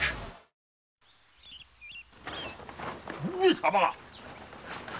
上様！